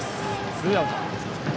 ツーアウト。